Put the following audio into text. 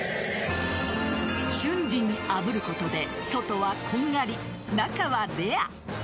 瞬時にあぶることで外はこんがり、中はレア。